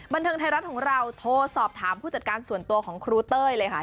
บันเทิงไทยรัฐของเราโทรสอบถามผู้จัดการส่วนตัวของครูเต้ยเลยค่ะ